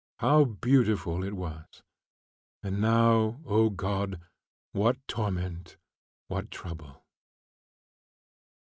How beautiful it was. And now, O God! what torment, what trouble!